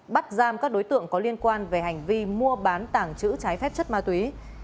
bắt giam các đối tượng có liên quan về hành vi mua bán tàng trữ trái phép chất ma túy